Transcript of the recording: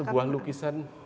ada sebuah lukisan